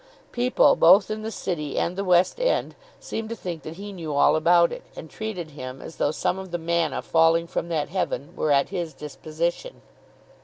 People, both in the City and the West End, seemed to think that he knew all about it, and treated him as though some of the manna falling from that heaven were at his disposition.